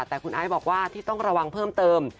แต่คุณไอซ์บอกว่าที่ต้องระวังเพิ่มเติม